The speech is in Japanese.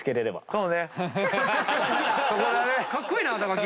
そこだね。